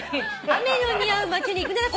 「雨の似合う街に行くなら」